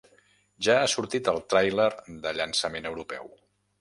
Ja ha sortit el tràiler de llançament europeu.